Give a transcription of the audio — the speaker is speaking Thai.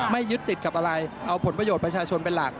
ไม่ยึดติดกับอะไรเอาผลประโยชน์ประชาชนเป็นหลัก